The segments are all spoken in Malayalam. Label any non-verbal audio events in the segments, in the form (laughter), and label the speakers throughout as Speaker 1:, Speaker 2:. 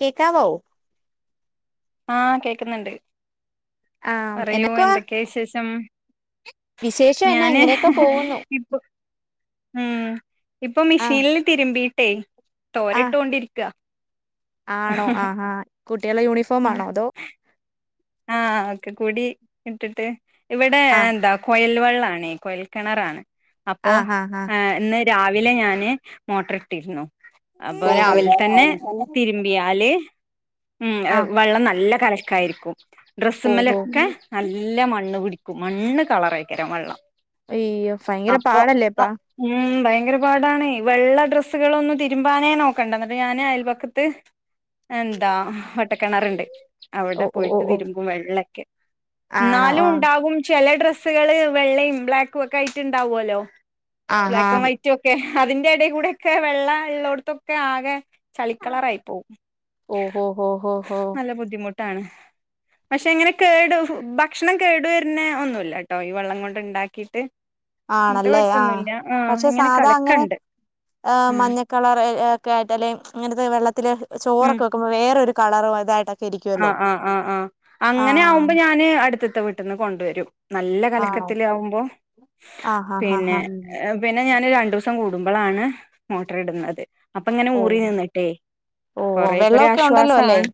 Speaker 1: കേക്കാവോ
Speaker 2: ആഹ് കേക്ക് ന്ന്ണ്ട്.
Speaker 1: ആ
Speaker 2: പറയൂ
Speaker 1: എന്നക്കുവാ
Speaker 2: എന്തൊക്കെ ശേഷം?
Speaker 1: വിശേഷം എന്നാ
Speaker 2: ഞാന്
Speaker 1: ഇങ്ങനെയൊക്കെ പോകുന്നു
Speaker 2: ഇപ്പൊ ഉം ഇപ്പൊ
Speaker 1: ആ
Speaker 2: മിഷീൽല് തിരിമ്പി ട്ടേയ്
Speaker 1: ആ
Speaker 2: തോരട്ടോണ്ടിരിക്ക
Speaker 1: ആണോ ആ ഹ കുട്ട്യാളെ യൂണിഫോ ഫാമാണോ അതോ
Speaker 2: ആഹ് ഓക്കെ കൂടി ഇട്ട്ട്ട് ഇവടെ
Speaker 1: ആ
Speaker 2: എന്താ കൊയൽ വെള്ളാണെ കൊയൽ കെണറാണ്. അപ്പോ
Speaker 1: ആ ആ ആ
Speaker 2: എഹ് ഇന്ന് രാവി വിലെ ഞാന് മോട്ടർ ഇട്ടിര്ന്നു. അപ്പോ
Speaker 1: ഓ
Speaker 2: രാവിൽ
Speaker 1: ഓ
Speaker 2: തന്നെ തിരിമ്പ്യാല് ഉം
Speaker 1: ആ
Speaker 2: വെള്ളം നല്ല കലക്കായിരിക്കും.
Speaker 1: ഓ ഓ
Speaker 2: ഡ്രസ്സ്മ്മലെക്കെ നല്ല മണ്ണ് പിടി മണ്ണ് കളറ ആയിക്കരാം വെള്ളം
Speaker 1: അയ്യോ ഭയങ്കര
Speaker 2: അപ്പൊ
Speaker 1: പാടല്ലേ
Speaker 2: അ
Speaker 1: അപ്പൊ
Speaker 2: ഉം ഭയങ്കര പാടാണ് വെള്ള ഡ്രസ്സുകൾ ഒന്നും തിരുമ്പാനേ നോക്കണ്ട എന്നിട്ട് ഞാന് അയൽപക്കത്ത് എന്താ കിണറുണ്ട്.
Speaker 1: ഓ
Speaker 2: അവിടെ
Speaker 1: ഓ
Speaker 2: പോയി
Speaker 1: ഓ ഓ
Speaker 2: തീരുമ്പും വെ ള്ളൊക്കെ
Speaker 1: ആണോ
Speaker 2: എന്നാലും
Speaker 1: ആ
Speaker 2: ഉണ്ടാകും ചില ഡ്ര സ്സു (unintelligible) കള് വെള്ളയും ബ്ലാക്കും ഒക്കെ ആയിട്ട് ഉണ്ടാവുമല്ലോ.
Speaker 1: ആ ആ
Speaker 2: ബ്ലാക്ക് ആൻഡ് വൈറ്റ് ഒക്കെ. അതിന്റെ ഇടയിൽ കൂടെ ഒക്കെ വെള്ള ഉള്ളോടത്തൊക്കെ ആകെ ചളിക്കളറായി പോവും
Speaker 1: ഓ ഹോ ഹോ ഹോ ഹോ
Speaker 2: നല്ല ബുദ്ധിമുട്ട് ട്ടാണ്. പക്ഷെ എങ്ങനെ കേടു ഭക്ഷണം കേടു വരുന്ന ഒന്നുമല്ല ട്ടോ ഈ വെള്ളം കൊണ്ട് ഉണ്ടാക്കിട്ട്.
Speaker 1: ആണല്ലേ ആ പക്ഷെ
Speaker 2: ഇങ്ങനെ
Speaker 1: സാധാ അങ്ങനെ
Speaker 2: കലക്കണ്ട് ഉം
Speaker 1: മഞ്ഞക്കളർ ഒക്കെ ആയിട്ട് അല്ലെ അങ്ങനത്തെ വെള്ളത്തില്
Speaker 2: ഉം
Speaker 1: ചോറൊക്കെ വെക്കുമ്പോ വേറൊരു കളറു അതായിട്ട
Speaker 2: ആഹ് ആഹ് ആഹ് ആഹ് അങ്ങനെ ആവുമ്പോ ഞാന് അടുത്ത ത്ത വീട്ട്ന്ന് കൊണ്ടുവരും. നല്ല
Speaker 1: ആണോ
Speaker 2: കലക്കത്തിലെ ആവുമ്പോ
Speaker 1: ആ ആ ആ
Speaker 2: പിന്നെ
Speaker 1: ആ
Speaker 2: പിന്നെ ഞാൻ രണ്ട് ദിവസം കൂട്മ്പളാണ് മോട്ടർ ഇട് ന്നത്. അപ്പൊ ഇങ്ങനെ
Speaker 1: ഓ
Speaker 2: ഊറി നിന്നിട്ടേ
Speaker 1: ഓ
Speaker 2: കൊറേക്കൊരു
Speaker 1: വെള്ളമൊക്കെ ഉണ്ടല്ലോ അല്ലേ
Speaker 2: ആശ്വാസാണ്.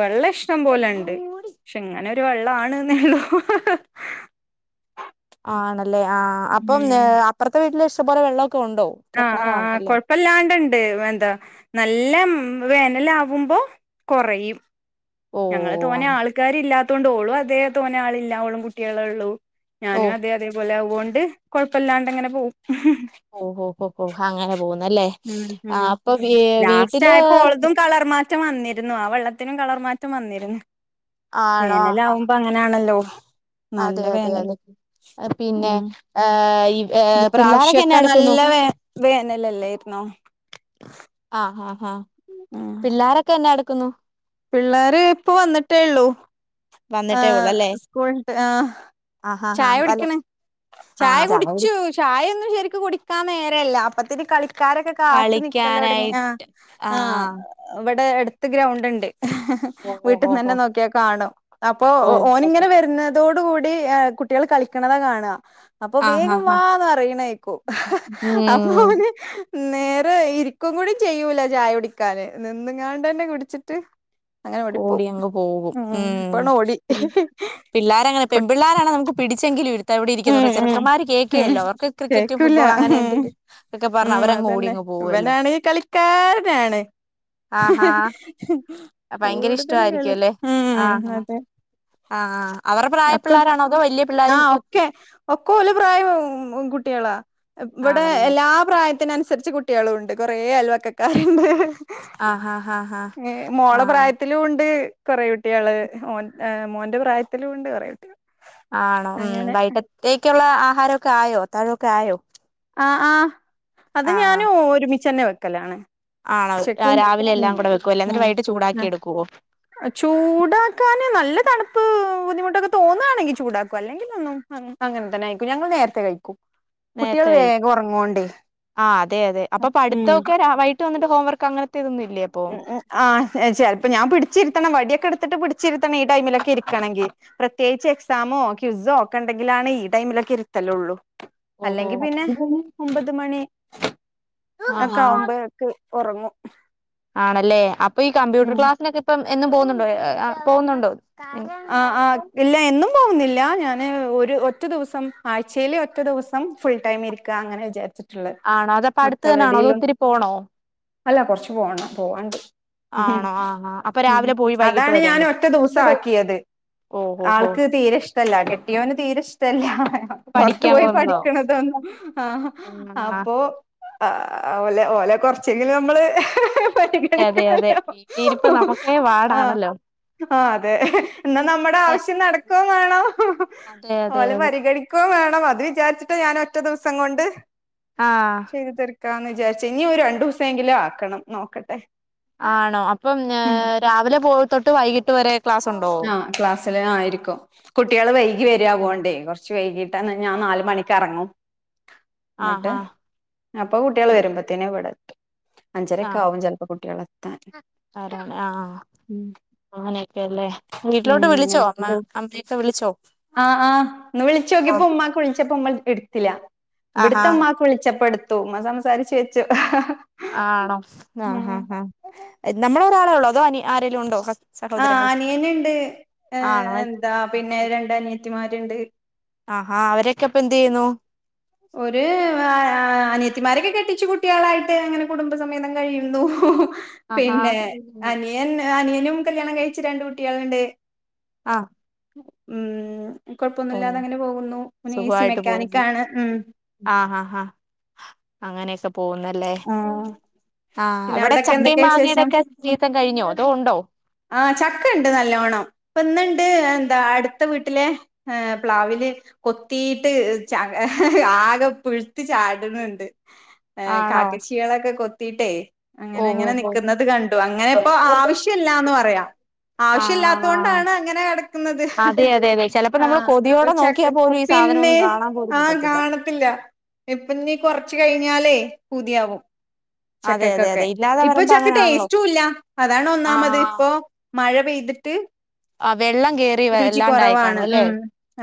Speaker 2: വെള്ളം ഇഷ്ടം പോലെ ഇണ്ട് പക്ഷെ അങ്ങനെരു വെള്ളാണ് ന്നേള്ളൂ.
Speaker 1: ആണ അല്ലെ ആ അപ്പം അപ്പർത്തെ വീട്ടിലെ പ്പോറെ വെള്ളം
Speaker 2: ആഹ് ആഹ് ആഹ് കൊഴപ്പല്ലാണ്ടിണ്ട് എന്താ നല്ല വേനലാവുമ്പോ കൊറയും.
Speaker 1: ഓ
Speaker 2: ഞങ്ങള് തോന്നെ ആൾക്കാരില്ലാ ത്തോണ്ട് ഓള് അതേ തോന്നേ ആളില്ല. ഓളും കുട്ടിയളെള്ളൂ.
Speaker 1: ഓ
Speaker 2: ഞാനും അതെ അതേ പോലാവും. കൊണ്ട് കൊഴപ്പല്ലാണ്ടങ്ങനെ പോവും.
Speaker 1: ഓഹോ ഹോ ഹോ അങ്ങനെ പോകുന്നുല്ലേ
Speaker 2: ഉം ഉം
Speaker 1: ആഹ് അപ്പൊ വീ
Speaker 2: ലാസ്റ്റ്
Speaker 1: വീട്ടില്
Speaker 2: ആയപ്പോ ഓളതും കളർ മാറ്റം വന്നിരുന്നു ആ വെള്ളത്തിനും കളർ മാ മാറ്റം വന്നിരുന്നു വേനലാകുമ്പോ അങ്ങനെയാണല്ലോ
Speaker 1: അതേഅതേ അതേ പിന്നേ
Speaker 2: ഉം
Speaker 1: ആഹ് ഇ
Speaker 2: ഈ പ്രാവശ്യക്കെ നല്ല വേ വേനലല്ലേരുന്നോ
Speaker 1: ആഹ് ആഹ് ആഹ് പിള്ളോരൊക്കെ എന്നെടു ക്കുന്നു
Speaker 2: പിള്ളോര് ഇപ്പൊ വന്നിട്ടേള്ളൂ
Speaker 1: വന്നിട്ടേ
Speaker 2: ആഹ്
Speaker 1: ഉള്ളല്ലേ
Speaker 2: സ്കൂള് വിട്ടു ആഹ്
Speaker 1: ആ ആ ആ
Speaker 2: ചായ
Speaker 1: വല്ല
Speaker 2: കുടിക്കണ
Speaker 1: ആ
Speaker 2: ചായ
Speaker 1: അതെ അവര്
Speaker 2: കുടിച്ചു ചായ ഒന്നും ശരിക്കും കുടി ക്കാൻ നേരം ഇല്ല അപ്പത്തെ കളി ക്കാരൊക്കെ കാത്തു നിക്കലോ തുടങ്ങി
Speaker 1: കളിക്കാനായി
Speaker 2: ആഹ്
Speaker 1: ആ
Speaker 2: ആഹ് ഇവിടെ അടു ത്ത് ഗ്രൗണ്ട് ഉണ്ട്
Speaker 1: ഓ ഓ
Speaker 2: വീട്ടിൽ
Speaker 1: ഓ ഓ
Speaker 2: നിന്ന്‌ നോക്കിയ കാണും അപ്പൊ
Speaker 1: ഓ
Speaker 2: ഓൻ ഇങ്ങനെ വരുന്നതോട് കൂടി കുട്ടികൾ കളിക്കണത കാണുക അപ്പം
Speaker 1: ആ ആ
Speaker 2: വേഗം
Speaker 1: ആ
Speaker 2: വാ എന്ന് പറയണക്കേക്കും അപ്പൊ
Speaker 1: ഉം
Speaker 2: ഓന് നേരെ ഇരിക്കും കൂടി ചെയ്യൂല ചായ കുടിക്കാന് നിന്ന്‌ കൊണ്ട് തന്നെ കുടിച്ചിട്ട് അങ്ങനെ
Speaker 1: ഓടി
Speaker 2: ഓടിപ്പോവും
Speaker 1: അങ്ങ് പോകും ഉം ഉം
Speaker 2: ഇപ്പണ് ഓടി
Speaker 1: പി പിള്ളേര് അങ്ങനെ പെൺ പിള്ളേര് ആണേ നമുക്ക് പിടിച്ചെങ്കിലും ഇരി ടെ
Speaker 2: ഉം
Speaker 1: ഇരിക്കേന്ന് പറയും
Speaker 2: ഉം
Speaker 1: ചെറുക്കന്മാര്
Speaker 2: ഉം
Speaker 1: കേൾക്കെല്ലാ അവർക്ക് ക്രിക്കറ്റ്
Speaker 2: കേക്കൂല
Speaker 1: ഫുട്ബോൾ അങ്ങനെ
Speaker 2: ഉം
Speaker 1: എന്തെങ്കിലും ഒക്കെ പറഞ്ഞ
Speaker 2: ഉം
Speaker 1: അവര് അങ്ങ് ഓടി
Speaker 2: അതന്നെ
Speaker 1: അങ്ങ് പോകുവല്ലോ
Speaker 2: ഇവനാണെങ്കി കളിക്കാരനാണ്
Speaker 1: ആഹാ ഭയങ്കര ഇഷ്ട
Speaker 2: കൂടുതൽ
Speaker 1: ആയിരിക്കും
Speaker 2: കളി
Speaker 1: അല്ലെ
Speaker 2: ഉം
Speaker 1: ആഹ്
Speaker 2: അതെ
Speaker 1: ആഹ് ആഹ് അവർട പ്രായ
Speaker 2: ഒക്കെ
Speaker 1: പിള്ളാരാണോ അതോ വലിയ പിള്ളാരും
Speaker 2: ആഹ്
Speaker 1: കൊ
Speaker 2: ഒക്കെ ഒക്കെലി പ്രായം കുട്ടി കളാ ഇവിടെ
Speaker 1: ആണല്ലേ
Speaker 2: എല്ലാ പ്രായത്തിന് അനുസരിച്ച് കു കുട്ടികളുംുണ്ട് കൊറെേ അൽവക്കക്കാണ്ട്
Speaker 1: ആഹ് ആഹ് ആഹ് ആഹ്
Speaker 2: മോള
Speaker 1: ആഹ്
Speaker 2: പ്രായത്തിലും ഉണ്ട് കൊറട്ട കുട്ടികള് മോ മോന്റെ പ്രായത്തില് കൊണ്ട് പറയത്തി
Speaker 1: ആണോ ഉ വൈട്ടത്തേക്കുള്ള ആഹാരമൊക്കെ ആയോ തടൊക്ക ആോ
Speaker 2: ആ ആ അത് ഞാനും ഒരുമിച്ചച്ച്ന്നെ വച്ചു കക്കലാണ്
Speaker 1: ആണോ രാവിലെ എല്ലാം കൂടെ വെക്കുവ അല്ലേ എന്നിട്ട് വൈകട്ട് ചൂടാക്കി എടുക്കുവോ
Speaker 2: ചൂടാക്കാാന് നല്ല തണുപ്പ് ബുദ്ധിമുട്ടൊക്കെ തോന്നുകയാണെങ്കിൽ ചൂടാക്കും അല്ലെങ്കിൽ ഒന്നും അങ്ങനെ തന്നെ അയിക്കും ഞങ്ങൾ നേരത്തെ കഴിക്കും കുട്ടികൾ
Speaker 1: നേരത്തെ
Speaker 2: വേഗം ഉറങ്ങോണ്ടേ
Speaker 1: ആ അതെ അതെ അപ്പൊ പഠിത്തൊക്കെ രാവട്ട് വന്നി്ോംവർക്ക് അനത്തെ
Speaker 2: ഉ ഉ ആ ചിലപ്പോ ഞാൻ പിടിച്ചിരുത്തണം വടിയൊക്കെ എടു ഇത്തിട്ട് പിടിച്ചിത്തണം ഈ ടൈമിലൊക്കെ ഇരിക്കണെങ്കിൽ പ്രത്യേകി എക്സാമോ ക്യൂസോ ഒക്കെ ഉണ്ടെങ്കിലാണ് ഈ ടൈമൊക്കെ ഇരുത്തല്ലേള്ളൂ
Speaker 1: ഓഹോ
Speaker 2: അല്ലെങ്കിൽ പിന്നെ ഒമ്പത് മണി
Speaker 1: ആ ആ
Speaker 2: അക്ക ഒ്പോക്ക് ഒറങ്ങും
Speaker 1: ആണല്ലേ ഇ ഈ കമ്പ്യൂർ ലസിനൊെ ഇം എന്നും പോകുന്നുണ്ടോ പോകുന്നുണ്ടോ
Speaker 2: ആ ആഹ് ഇല്ല എന്നും പോകുന്നില്ല ഞാൻ ഒരു ഒറ്റ ദിവസം ആഴ്ചയില ഒറ്റ ദിവസം ഫുൾ ടൈം ഇരിക്കുക അങ്ങനെ വിചാരിച്ചിട്ട
Speaker 1: ആണോ അതപ്പ അടുത്തു തന്നൊണോ അത് ഒത്തിരി പോണോ
Speaker 2: അല്ല കൊറച്ച്ു പോണം പോവാണ്ട്
Speaker 1: ആണോ ആ അപ്പൊ
Speaker 2: ഉം.
Speaker 1: രാവിലെ പോയി വൈകിട്ട്
Speaker 2: അതാണ്
Speaker 1: വരാൻ
Speaker 2: ഞാൻ
Speaker 1: പറ്റി
Speaker 2: ഒറ്റ ദിവസം ആക്കിയത് ആൾക്ക് തീരെഷ്ടല്ല കെട്ടിയോന് തീരെ ഇഷ്ടല്ല പുറത്തു
Speaker 1: പഠിക്കാൻ
Speaker 2: പോയി
Speaker 1: പോകുന്നതോ
Speaker 2: പഠിക്കണതൊന്നും ആ
Speaker 1: ആ
Speaker 2: അപ്പോ ആലെ ഓലെ കൊറച്ചെങ്കിലും നമ്മള്
Speaker 1: അതെ അതെ
Speaker 2: പരിഗണിക്കണല്ലോ
Speaker 1: വീട്ടീരിപ്പ നമുക്ക വാടാണല്ലോ
Speaker 2: അത എന്നാ നമ്മുടെ ആവശ്യം നടക്കയും വേണം
Speaker 1: അതെ അതെ
Speaker 2: ഒരേ
Speaker 1: അതെ
Speaker 2: പരിഗണിക്കയും വേണം അത് വിചാരിച്ചിട്ട് ഞാൻ ഒറ്റ ദിവസം കൊണ്ട്
Speaker 1: ആഹ
Speaker 2: ക്കാന്ന് വിചാരിച്ച ഇനി ഒരു രണ്ടു ദിവസം എങ്കിലും ആക്കണം നോക്കട്ടെ
Speaker 1: ആണോ അപ്പം
Speaker 2: ഉം
Speaker 1: രാവിലെ പോയി തൊട്ട് വൈകിട്ട് വരെ ക്ലാസ് ഉണ്ടോ
Speaker 2: ആഹ് ക്ലാസ്സില് ആയിരിക്കും കുട്ടികള് വൈകി വരിക
Speaker 1: ഓ
Speaker 2: അതോണ്ടെ കുറച്ച് വൈകിട്ട് ട്ടാണ് ഞാൻ നാല് മണിക്ക് ഇറങ്ങും
Speaker 1: ആ
Speaker 2: എന്നിട്ട്
Speaker 1: ആ
Speaker 2: അപ്പൊ കുട്ടികള്
Speaker 1: ഓ
Speaker 2: വരുമ്പോത്തേന് ഇവിടെ അഞ്ചരൊക്കെ
Speaker 1: ആഹ്
Speaker 2: ആവും ചെലപ്പോ കുട്ടികളെത്താൻ
Speaker 1: ആഹ് ഹ് ഹ് അങ്ങനെയൊക്കെല്ലേ
Speaker 2: മ്മ് അങ്ങനെ ആഹ് ആഹ് ഇന്ന് വിളിച്ച് നോക്കിപ്പോ ഉമ്മാക്ക് വിളിച്ചപ്പോ ഉമ്മ എടുത്തില്ല
Speaker 1: ആഹാ
Speaker 2: ഇവിടുത്തെ ഉമ്മാക്ക് വിളിച്ചപ്പോ എടുത്ത് ഉമ്മ സംസാരിച്ചു വെച്ചു
Speaker 1: ആണോ ആഹ്
Speaker 2: ഉം
Speaker 1: ആഹ് ഹ നമ്മള് ഒരാളെ ഉള്ളോ അതോ അനിയൻ ആരെങ്കിലും ഉണ്ടോ കസിൻസ്
Speaker 2: ആഹ് അനിയന് ഉണ്ട് ഏഹ്
Speaker 1: ആണോ
Speaker 2: എന്താ പിന്നെ രണ്ട് അനിയത്തി അനിത്തിമാരുണ്ട്
Speaker 1: ആഹ് ഹാ അവരൊക്കെ അപ്പൊ എന്ത് ചെയ്യുന്നു
Speaker 2: ഓര് അഹ് അ അനിയത്തിമാരൊക്കെ കെട്ടി കെട്ടിച്ചു കുട്ടികളായിട്ട് അങ്ങനെ കുടുംബസമേതം കഴിയുന്നു
Speaker 1: ആഹാ
Speaker 2: പിന്നെ അനിയൻ അനിയൻ അനിയാനും കല്യാണം കഴിച്ചു രണ്ട് കുട്ടികളുണ്ട്
Speaker 1: ആഹ്
Speaker 2: മ്മ്
Speaker 1: ഉം
Speaker 2: കുഴപ്പമൊന്നുമില്ലാതെ ഇങ്ങനെ പോകുന്നു ഓന് എ സി
Speaker 1: സുഖമായിട്ട്
Speaker 2: മെക്കാനിക്ക്
Speaker 1: പോകുന്നു
Speaker 2: ആണ്
Speaker 1: ആഹ് ഹ ഹ അങ്ങനെയെ പോന്നല്ലേ
Speaker 2: ആഹ് പിന്നെ അവിടൊക്കെ എന്തൊക്കെയാ വിശേഷം
Speaker 1: സീസൺ കഴിഞ്ഞോ അതോ ഉണ്ടോ
Speaker 2: ആഹ് ചക്ക ണ്ട് നല്ലോണം ഇപ്പ ഇന്ന്ണ്ട് ണ്ട് എന്താ അടുത്ത വീട്ടിലെ പ്ലാവില് കൊത്തീട്ട് ആകെ പുഴുത്ത് ചാടുന്നുണ്ട് ഏഹ്
Speaker 1: ആണോ
Speaker 2: കാക്കച്ചികളക്കെ കൊ ത്തിട്ടേ അങ്ങനെ
Speaker 1: ഓഹ്
Speaker 2: അങ്ങനെ
Speaker 1: ഓഹ് ഓഹ്
Speaker 2: നിക്കുന്നത് കണ്ടു അങ്ങനെ ഇപ്പോ ആവശ്യല്ലാന്ന് പറയാം ആവശ്യമില്ലാത്ത
Speaker 1: ആഹ്
Speaker 2: കൊണ്ടാണ് അങ്ങനെ കിടക്കുന്നത്
Speaker 1: അതെ അതെ അതെ ചെലപ്പോ നമ്മള്
Speaker 2: ആഹ്
Speaker 1: കൊതിയോടെ
Speaker 2: ചക്ക
Speaker 1: നോക്കിയാ പോലും ഈ സാധനം
Speaker 2: പിന്നെ
Speaker 1: ഒന്നും കാണാൻ പോലും
Speaker 2: ആഹ്
Speaker 1: കിട്ടത്തില്ല.
Speaker 2: കാണത്തില്ല ഇപ്പ നി കൊറച്ച് കഴിഞ്ഞാലേ പൂതിയാവും
Speaker 1: അതെ അതെ
Speaker 2: ചക്കക്കൊക്കെ
Speaker 1: അതെ ഇല്ലാതെ
Speaker 2: ഇപ്പൊ
Speaker 1: വരുമ്പോ
Speaker 2: ചക്ക
Speaker 1: അങ്ങനാണല്ലോ
Speaker 2: ടേസ്റ്റും ഇല്ല അതാണ് ഒന്നാമത് ഇപ്പൊ മഴ പെയ്തിട്ട്
Speaker 1: ആഹ് വെള്ളം കേറി
Speaker 2: രുചി
Speaker 1: വല്ലാണ്ടായി
Speaker 2: കുറവാണ്
Speaker 1: കാണും അല്ലേ
Speaker 2: ഉം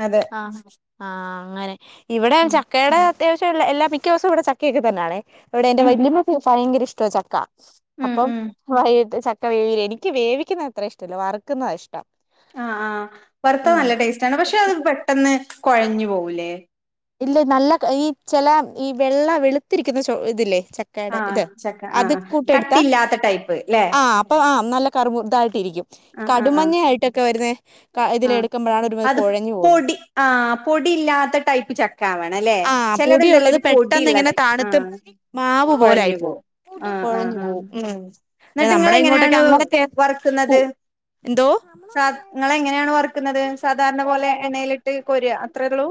Speaker 2: അതെ
Speaker 1: ആഹ് ആഹ് അങ്ങനെ ഇവിടെയും
Speaker 2: ഉം
Speaker 1: ചക്കടെ അത്യാശ്യള്ള എല്ലാ മിക്ക ദിവസവും ഇവിടെ ചക്കെക്ക തന്ന ആണേ ഇവടെ എന്റെ
Speaker 2: ഉം
Speaker 1: വലിയമ്മക്ക് ഭയങ്കര ഇഷ് ട്ടവ ചക്ക
Speaker 2: ഉം
Speaker 1: അപ്പം
Speaker 2: ഉം
Speaker 1: വൈകിട്ട് ച (unintelligible) എനിക്ക് വേവിക്കുന്നത് അത്ര ഇഷ്ടല്ല വറ്ക്കുന്നത ഇഷ്ടം
Speaker 2: ആഹ് ആഹ് വറുത്ത
Speaker 1: ഉം
Speaker 2: നല്ല ടേസ്റ്റ് ആണ് പക്ഷെ അത് പെട്ടെന്ന് കൊഴഞ്ഞു പോവൂല്ലേ
Speaker 1: ഇല്ല നല്ല ഈ ചെല ഈ വെള്ള വെളുത്തിരിക്കുന്ന ചൊ ഇതില്ലേ ചക്കേടെ
Speaker 2: ആഹ്
Speaker 1: ഇത്
Speaker 2: ചക്ക
Speaker 1: അത്
Speaker 2: ആഹ് ആഹ്
Speaker 1: കൂട്ട് എടുത്താ
Speaker 2: കട്ടില്ലാത്ത ടൈപ്പ് ല്ലേ
Speaker 1: ആ അപ്പ ആ നല്ല കറുമു ഇതായി ട്ടിരിക്കും
Speaker 2: ആഹ് ആഹ് ആഹ്
Speaker 1: കടുംമഞ്ഞ ആയിട്ടൊക്കെ വരുന്ന ഇതില്
Speaker 2: ആഹ്
Speaker 1: എടുക്കുമ്പോഴാണ് ഒരു മാതിരി
Speaker 2: അത്
Speaker 1: കൊഴഞ്ഞു പോകുന്നത്
Speaker 2: പൊടി ആഹ് പൊടി ഇല്ലാത്ത ടൈപ്പ് ചക്ക ആവണം അല്ലേ
Speaker 1: ആഹ്
Speaker 2: ചിലതുണ്ടല്ലോ
Speaker 1: പൊടിയുള്ളത്
Speaker 2: ഒരു
Speaker 1: പെട്ടെന്ന്
Speaker 2: പൊടിയുള്ള
Speaker 1: ഇങ്ങനെ
Speaker 2: ടൈപ്പ്
Speaker 1: തണുത്ത്
Speaker 2: ആഹ്
Speaker 1: മാവ് പോല ആയി പോവും കൊഴഞ്ഞു പോവും ഉം
Speaker 2: എന്നിട്ട്ങ്ങള്
Speaker 1: നമ്മടെ ഇങ്ങോട്ടൊക്കെ
Speaker 2: എങ്ങനെയാണ്
Speaker 1: അങ്ങനത്തെ കു
Speaker 2: വറ്ക്കുന്നത്
Speaker 1: എന്തോ
Speaker 2: സാ ഇങ്ങള് എങ്ങനെ ണ് വർ ക്ക്ന്നത് സാധാരണ പോലെ എണ്ണയിലിട്ട് കൊര്ക അത്രേള്ളൂ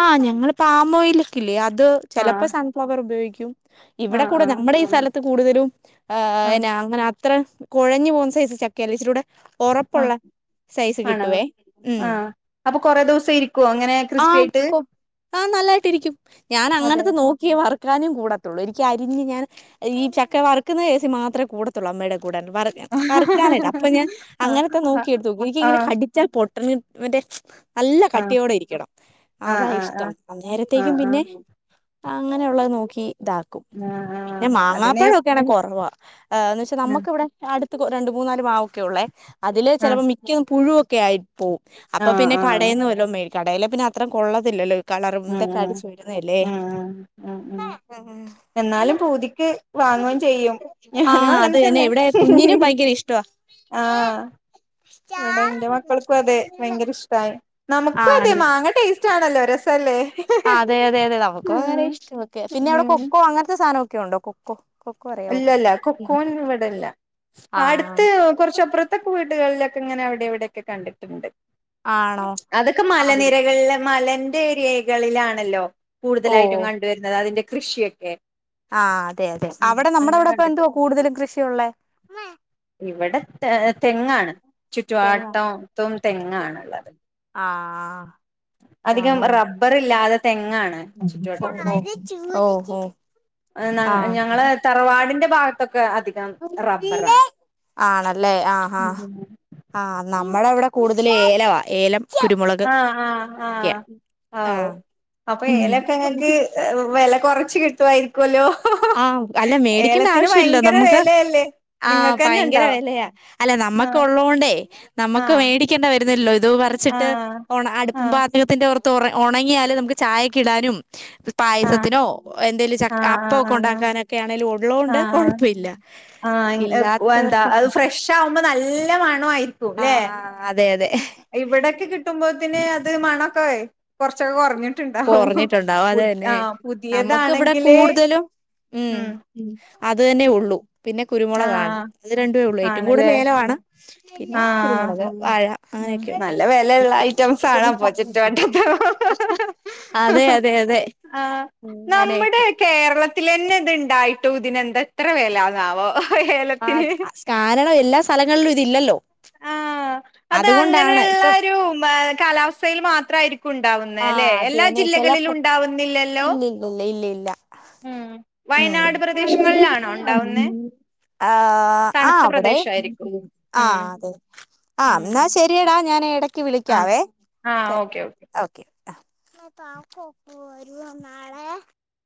Speaker 1: ആഹ് ഞങ്ങള് ഇപ്പ പാമോയില്ക്കില്ലേ അത് ചെലപ്പോ
Speaker 2: ആഹ്
Speaker 1: സൺഫ്ലവർ ഉപയോഗി ക്കും ഇവിടെ
Speaker 2: ആഹ്
Speaker 1: കൂടെ
Speaker 2: ആഹ്
Speaker 1: ഞമ്മടെ ഈ സ്ഥല കൂടുതലും ആ
Speaker 2: ആഹ്
Speaker 1: അയ്ന അങ്ങന ഇത്ര കൊഴഞ്ഞു പോന്ന് സൈസ് ചക്കയല്ല ഇച്ചരൂടെ
Speaker 2: ആ ആണാ
Speaker 1: കിട്ടുവേ ഉം
Speaker 2: ആഹ് അപ്പൊ കൊറേ ദെവസം ഇരിക്കുവോ അങ്ങനെ
Speaker 1: ആ
Speaker 2: ക്രിസ്
Speaker 1: കൊ ആ നല്ലായിട്ടിരിക്കും ഞാൻ
Speaker 2: അതെ
Speaker 1: അങ്ങനത്തെ നോക്കിയെ വാ വറുക്കാനും കൂടത്തുള്ളു എനിക്ക് അരിഞ്ഞ് ഞാൻ ഈ ചക്ക വറുക്കുന്ന എസി മാത്രേ കൂടത്തുള്ളൂ അമ്മയുടെ അ വറ് വറ് ക്കാനായിട്ട്
Speaker 2: ആഹ്
Speaker 1: അപ്പ ഞാൻ അങ്ങനത്ത
Speaker 2: ആഹ്
Speaker 1: നോക്കിയെടുത്ത് വെക്കും എനിക്ക് ഇങ്ങനെ കടിച്ചാൽ പൊട്ടണ് മറ്റേ നല്ല കട്ടിയോടെ ഇരിക്കണം
Speaker 2: ആഹ്
Speaker 1: അതാ
Speaker 2: ആഹ് ആഹ്
Speaker 1: ഇഷ്ടം
Speaker 2: ആഹ്
Speaker 1: അന്നേരത്തേക്കും
Speaker 2: ആഹ് ആഹ്
Speaker 1: പിന്നെ
Speaker 2: ആഹ്
Speaker 1: അങ്ങനയുള്ളത് നോക്കി ഇതാക്കും
Speaker 2: ആഹ്
Speaker 1: പിന്നെ
Speaker 2: ആഹ് അതിന്
Speaker 1: മാങ്ങാപ്പഴക്കെയാണേ കൊറവാ എന്ന് വെച്ചാ
Speaker 2: ആഹ്
Speaker 1: നമ്മക്ക് ഇവിടെ അടു ത്ത് രണ്ട് മൂന്നാല് മാവും ക്കുള്ളേ അതില്
Speaker 2: ആഹ്
Speaker 1: ചെലപ്പം മിക്കതും പുഴു ക്കെ ആയി പോവും അപ്പൊ
Speaker 2: ആഹ്
Speaker 1: പിന്നെ
Speaker 2: ആഹ്
Speaker 1: കടേന്ന് വല്ലോം മേടി കടയിലെ പിന്നെ അ അത്ര കൊള്ളതില്ലല്ലൊ
Speaker 2: ഉം ഉം ഉം ഉം എന്നാലും പൂതിക്ക് വാങ്ങുകയും ചെയ്യും ഞാനും
Speaker 1: ആഹ് അത് തന്നെ
Speaker 2: അങ്ങൻതന്നെ
Speaker 1: ഇവിടെ കുഞ്ഞിന് ഭയങ്കര ഇഷ്ടവാ
Speaker 2: ആഹ് ഇവിടെ എന്റെ മക്കൾക്കും അതെ ഭയങ്കര ഇഷ്ടാണ് നമുക്കും അതെ മാങ്ങ ടേസ് റ്റാണല്ലോ രസമല്ലേ
Speaker 1: ആ അതെ അതെ അതെ നമുക്ക് ഭയങ്കര ഇഷ്ടമൊക്കെയാ പിന്നെ ഇവിടെ
Speaker 2: ഉം
Speaker 1: കൊക്കോ അങ്ങനത്തെ സാധന ഒക്കെ ഉണ്ടോ കൊക്കോ കൊക്കോ അറിയാവോ
Speaker 2: ഇല്ലല്ല കൊക്കോ ന്നും ഇവിടെ ഇല്ല
Speaker 1: ആഹ്
Speaker 2: അടുത്ത് കൊറച്ചപ്പുറത്തൊക്കെ വീ ടുകളിലൊക്കെ ഇങ്ങനെ അവിടെ ഇവിടെയൊക്കെ കണ്ടിട്ടുണ്ട്
Speaker 1: ആണോ
Speaker 2: അതൊക്കെ മലനിരകളില മല ന്റെ ഏരിയകളിലാണല്ലോ കൂടുതലായിട്ടും
Speaker 1: ഓഹ്
Speaker 2: കണ്ടുവരുന്നത് അതിന്റെ കൃഷിയൊക്കെ
Speaker 1: ആഹ് അ തെയതെ
Speaker 2: ഉം
Speaker 1: അവിടെ നമ്മുടെ
Speaker 2: അങ്ങനെ
Speaker 1: ഇവിടെ ഇപ്പോ
Speaker 2: കണ്ടിട്ട്
Speaker 1: എന്തുവാ കൂടുതലും കൃഷിയുള്ളെ
Speaker 2: ഇവിടെ തെങ്ങാണ് ചുറ്റുവാട്ടത്തും തെങ്ങാണുള്ളത്
Speaker 1: ആഹ് അപ്പൊ
Speaker 2: അധികം റബ്ബർ ഇല്ലാതെ തെങ്ങാണ് ചുറ്റുവട്ടത്തും
Speaker 1: അങ്ങനെ ഓ ഓ ആഹ്
Speaker 2: ഞങ്ങളെ തറവാടിന്റെ ഭാഗത്തൊ
Speaker 1: ആണല്ലേ ആഹ ആഹ് നമ്മുടെ അവിടെ കൂടുതൽ ഏല വാ ഏലം കുരുമുളക്
Speaker 2: ആഹ് ആഹ്
Speaker 1: ഒക്കെ
Speaker 2: ആഹ് അവു
Speaker 1: ആഹ്
Speaker 2: അപ്പൊ
Speaker 1: ഉം
Speaker 2: ഏലൊക്കെങ്ങക്ക് വെല കൊറച്ച് കിട്ടുമായിരിക്കൊല്ലോ
Speaker 1: ആഹ് അല്ല മേടിക്കണ്ട ആവശ്യല്ല നമുക്ക്
Speaker 2: വെലയല്ലേ
Speaker 1: ആഹ്
Speaker 2: നിങ്ങൾക്കന്നെ
Speaker 1: ഭയങ്കര
Speaker 2: ഇണ്ടോ
Speaker 1: വിലയാ അല്ല നമ്മക്ക്
Speaker 2: ആഹ്
Speaker 1: ഉള്ളോണ്ടേ നമ്മുക്ക്
Speaker 2: ആഹ്
Speaker 1: മേടിക്കേണ്ട വ ല്ലോ അത് പറിച്ചിട്ട്
Speaker 2: ആഹ്
Speaker 1: അടുപ്പും
Speaker 2: ആഹ്
Speaker 1: പാചകത്തിന്റെ പുറത്തിടും തുറ ഉണങ്ങിയാൽ നമുക്ക് ചായക്ക് ഇടാനും
Speaker 2: ആഹ്
Speaker 1: പായസത്തിനോ എന്തേലും
Speaker 2: ആഹ്
Speaker 1: ക്ക
Speaker 2: ആഹ് ആഹ്
Speaker 1: ഉണ്ടാക്കാനൊക്കെ ആണെലും ഉള്ളോണ്ട്
Speaker 2: ആഹ്
Speaker 1: കൊഴപ്പമില്ല
Speaker 2: ആഹ് എന്താ
Speaker 1: ഇല്ലാത്തവർക്കൊ
Speaker 2: അത് ഫ്രഷ് ആവുമ്പോ നല്ല മണ ണം ആരിക്കും ല്ലെ
Speaker 1: അതെ അതെ
Speaker 2: ഇവിടെയെക്കെ കിട്ടുമ്പോത്തിന് അത് മണം ഹേയ് കൊറച്ചൊക്കെ കൊറഞ്ഞി
Speaker 1: കൊറഞ്ഞിട്ടുണ്ടാവും അതുതന്നെ നമുക്കിവിടെ
Speaker 2: പുതിയതാണെങ്കില്
Speaker 1: കൂടുതലും ഉം അത് തന്നെ ഉള്ളൂ പിന്നെ കുരുമുളകാണ്
Speaker 2: ആഹ്
Speaker 1: അത് രണ്ടുവേയുള്ളൂ ഏറ്റവും
Speaker 2: ആണല്ലേ
Speaker 1: കൂടുതൽ ഏലവാണ് പിന്നെ
Speaker 2: ആഹ്
Speaker 1: കുരുമുളക് വാഴ
Speaker 2: ഉം
Speaker 1: അങ്ങനെയൊക്കെയുണ്ട്
Speaker 2: നല്ല വെലള്ള ഐറ്റംസ് ആണ് അപ്പൊ
Speaker 1: അതെ അതെ അതെ
Speaker 2: ആ നമ്മുടെ
Speaker 1: അങ്ങനെയൊക്കെ
Speaker 2: കേരളത്തിലന്നെ ഇതുണ്ടായി ട്ടുതിനെന്താ ഇത്ര വിലാന്നാവോ
Speaker 1: ആ കാരണം എല്ലാ സ്ഥലങ്ങളിലും ഇത് ഇല്ലല്ലോ
Speaker 2: ആ അത് അങ്ങനെയുള്ളൊരു മ കാലാവസ്ഥയിൽ മാത്രമായിരിക്കും ഉണ് ഉണ്ടാവുന്നെ അല്ലെ
Speaker 1: ആഹ് അത്
Speaker 2: എല്ലാ
Speaker 1: തന്നെ ചില
Speaker 2: ജില്ലകളിലും
Speaker 1: പ്ര
Speaker 2: ഉണ്ടാവുന്നില്ലല്ലോ
Speaker 1: ഇല്ല ഇല്ല ഇല്ല ഇല്ല
Speaker 2: ഉം
Speaker 1: ഉം
Speaker 2: വയനാട് പ്രദേശങ്ങളിലാണോ ഉണ്ടാവുന്നെ
Speaker 1: ആ ആ
Speaker 2: തണുത്ത
Speaker 1: അവിടെ
Speaker 2: പ്രദേശായിരിക്കും
Speaker 1: ആ
Speaker 2: ഉം
Speaker 1: അതെ ആ
Speaker 2: ഉം
Speaker 1: എന്നാശരിയടാ ഞാനെ ക്ക്
Speaker 2: ആഹ്
Speaker 1: വിളിക്കാവേ
Speaker 2: ആഹ് ഓക്കെ
Speaker 1: ഓക്കെ ആ മ്മ കാക്കുവൊക്കെ വരുവൊ നാളെ